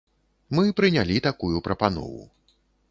Мы прынялі такую прапанову.